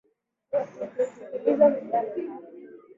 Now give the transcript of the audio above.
Usiwasikilize vijana hao